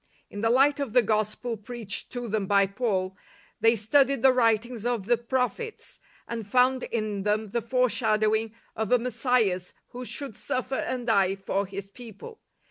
In the light of the Gospel preached to them by Paul, they studied the writings of the prophets, and found in them the foreshadowing of a Messias who should suffer and die for His people.